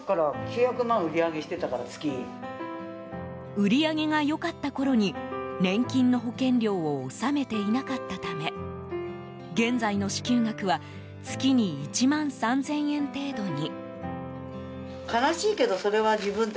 売り上げが良かったころに年金の保険料を納めていなかったため現在の支給額は月に１万３０００円程度に。